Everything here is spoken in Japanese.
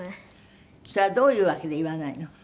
それはどういう訳で言わないの？